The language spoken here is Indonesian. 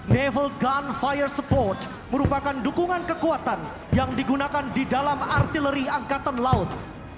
naval gun fire support merupakan dukungan kekuatan yang digunakan di dalam artileri angkatan laut